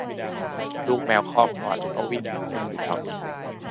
ลูกแมวครอกก่อนก็วิ่งเล่นอยู่แถวนี้